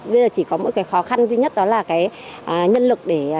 bây giờ chỉ có một cái khó khăn duy nhất đó là cái nhân lực để